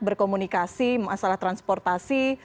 berkomunikasi masalah transportasi